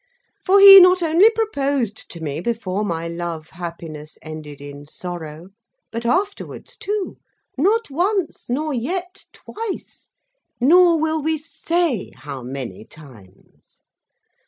For, he not only proposed to me before my love happiness ended in sorrow, but afterwards too: not once, nor yet twice: nor will we say how many times.